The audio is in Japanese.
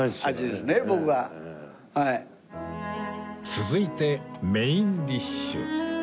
続いてメインディッシュ